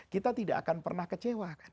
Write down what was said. kita tidak akan pernah kecewa